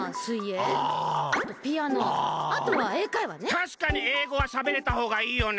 たしかに英語はしゃべれたほうがいいよね。